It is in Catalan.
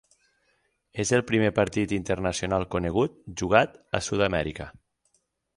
És el primer partit internacional conegut jugat a Sud-amèrica.